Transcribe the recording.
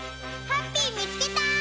ハッピーみつけた！